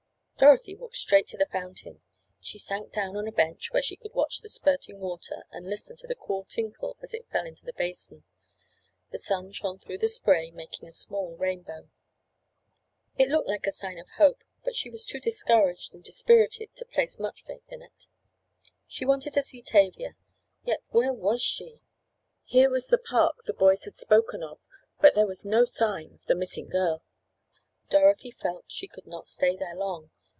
Dorothy walked straight to the fountain. She sank down on a bench where she could watch the spurting water and listen to the cool tinkle as it fell into the basin. The sun shone through the spray, making a small rainbow. It looked like a sign of hope, but she was too discouraged and dispirited to place much faith in it. She wanted to see Tavia; yet where was she? Here was the park the boys had spoken of, but there was no sign of the missing girl. Dorothy felt she could not stay there long.